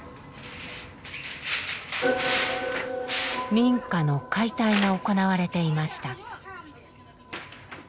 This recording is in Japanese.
民家の解体が行われていました。